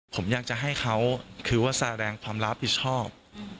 ผมอยากจะให้เขาคือว่าแสดงความรับผิดชอบ